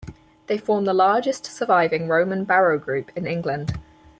They form the largest surviving Roman barrow group in England.